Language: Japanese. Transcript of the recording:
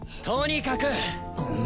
とにかく！